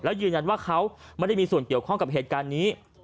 แล้วยืนยันว่าเขาไม่ได้มีส่วนเกี่ยวข้องกับเหตุการณ์นี้